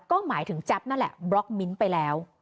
ก็หมายถึงแจ๊บนั่นแหละบล็อกมิ้นท์ไปแล้ว